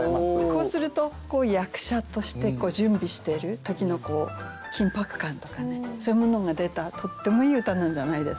こうすると役者として準備してる時の緊迫感とかねそういうものが出たとってもいい歌なんじゃないですか。